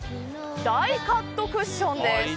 ダイカットクッションです。